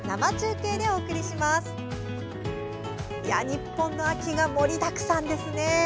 日本各地の秋が盛りだくさんですよね。